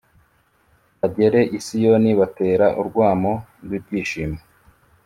bagere i Siyoni batera urwamo rw’ibyishimo.